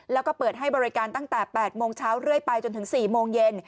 แล้วก็เปิดให้บริการตั้งแต่๘โมงเช้าเรื่อยไปจนถึง๔โมงเย็น